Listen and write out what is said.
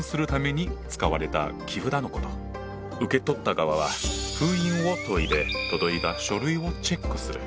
受け取った側は封印を解いて届いた書類をチェックする。